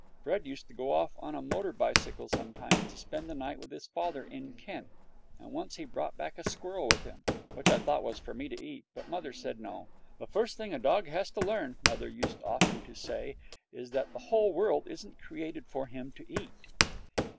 Fred used to go off on a motor bicycle sometimes to spend the night with his father in Kent, and once he brought back a squirrel with him, which I thought was for me to eat, but mother said no. 'The first thing a dog has to learn,' mother used often to say, 'is that the whole world wasn't created for him to eat.'